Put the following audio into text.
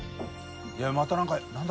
いやまた何か何だ？